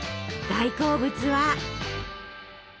大好物は。